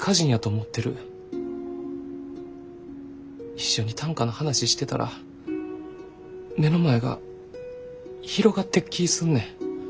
一緒に短歌の話してたら目の前が広がってく気ぃすんねん。